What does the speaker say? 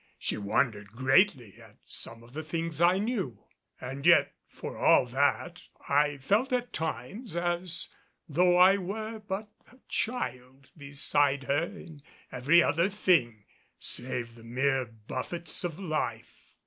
She wondered greatly at some of the things I knew; and yet for all that I felt at times as though I were but a child beside her in every other thing save the mere buffets of life.